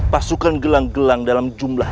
pasukan gelang gelang dalam jumlah